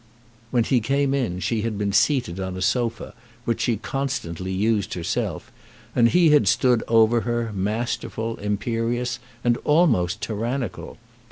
When he came in she had been seated on a sofa, which she constantly used herself, and he had stood over her, masterful, imperious, and almost tyrannical.